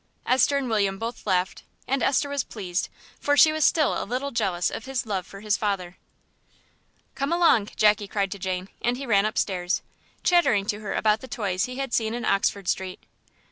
Esther and William both laughed, and Esther was pleased, for she was still a little jealous of his love for his father. "Come along," Jackie cried to Jane, and he ran upstairs, chattering to her about the toys he had seen in Oxford Street.